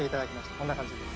こんな感じです。